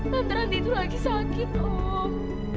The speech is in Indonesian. tante ranti itu lagi sakit om